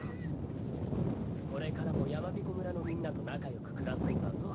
これからもやまびこ村のみんなとなかよくくらすんだぞ。